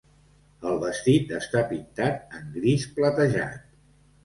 El vestit està pintat en gris platejat.